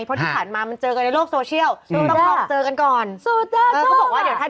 เพราะที่ผ่านมามันเจอกันในโลกโซเชียล